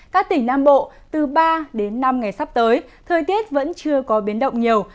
các tỉnh nam bộ từ ba đến năm ngày sắp tới thời tiết vẫn chưa có biến động nhiều